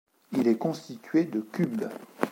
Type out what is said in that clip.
Il est constitué de cubes.